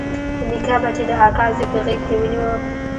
نيکه به چې د اکا زوى په غېږ کښې ونيو.